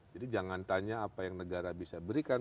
jadi jangan tanya apa yang negara bisa berikan